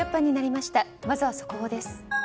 まずは速報です。